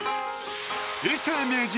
永世名人